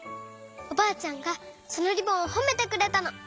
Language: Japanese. おばあちゃんがそのリボンをほめてくれたの。